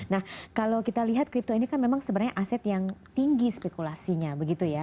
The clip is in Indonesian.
nah kalau kita lihat kripto ini kan memang sebenarnya aset yang tinggi spekulasinya begitu ya